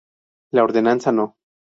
La ordenanza No.